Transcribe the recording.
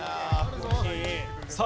さあ